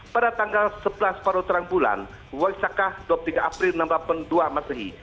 pada tanggal sebelas pada terang bulan waisak dua puluh tiga april seribu sembilan ratus delapan puluh dua masehi